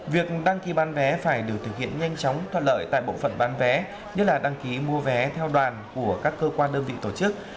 việc đăng ký bán vé phải được thực hiện nhanh chóng thuận lợi tại bộ phận bán vé như là đăng ký mua vé theo đoàn của các cơ quan đơn vị tổ chức